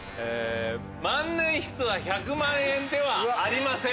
万年筆は１００万円ではありません。